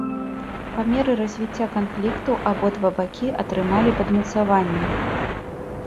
Па меры развіцця канфлікту абодва бакі атрымалі падмацаванне.